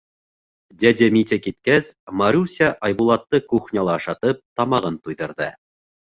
Дядя Митя киткәс, Маруся Айбулатты кухняла ашатып тамағын туйҙырҙы.